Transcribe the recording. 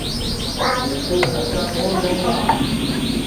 مِسکُو کھرچا کُوٹؔ دؔیوں گا